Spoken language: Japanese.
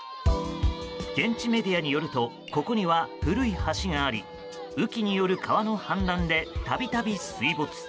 現地メディアによるとここには古い橋があり雨季による川の氾濫で度々水没。